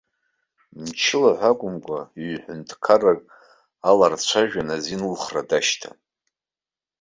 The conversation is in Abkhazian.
Мчыла ҳәа акәымкәа, ҩ-ҳәынҭқаррак аларцәажәаны азин ылхра дашьҭан.